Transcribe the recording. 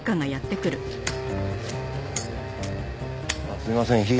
あっすいません火。